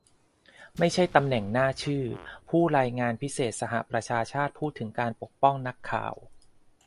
ไม่ใช่ตำแหน่งหน้าชื่อ ผู้รายงานพิเศษสหประชาชาติพูดถึงการปกป้องนักข่าว